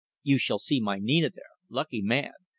You shall see my Nina there. Lucky man.